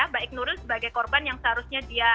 baik nuril sebagai korban yang seharusnya dia